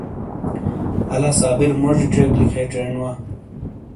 الہ صابر موزی ژیک لکے چھین وا۔